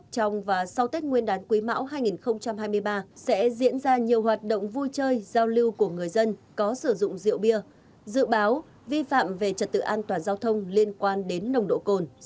trong quá trình xử lý bên cạnh việc người tham gia giao thông nhận thức hành vi vi phạm